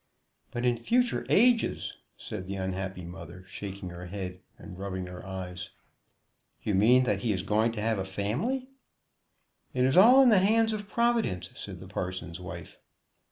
"But in future ages " said the unhappy mother, shaking her head and rubbing her eyes. "You mean that he is going to have a family?" "It is all in the hands of Providence," said the parson's wife.